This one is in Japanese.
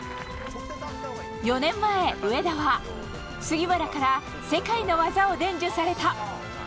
４年前上田は杉村から世界の技を伝授された。